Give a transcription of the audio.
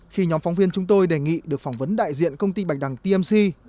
khi nhóm phóng viên chúng tôi đề nghị được phỏng vấn đại diện công ty bạch đằng tmc